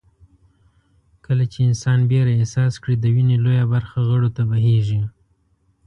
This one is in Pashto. کله چې انسان وېره احساس کړي د وينې لويه برخه غړو ته بهېږي.